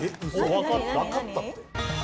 分かったって。